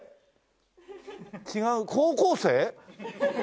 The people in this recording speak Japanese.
違う高校生？